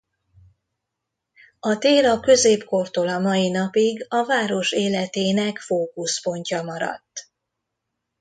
A tér a középkortól a mai napig a város életének fókuszpontja maradt.